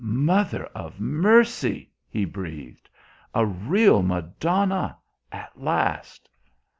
'Mother of mercy!' he breathed. 'A real Madonna at last!'